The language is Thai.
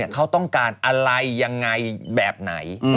เขาต้องการอะไรยังไงแบบไหน